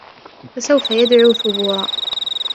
فَسَوْفَ يَدْعُو ثُبُورًا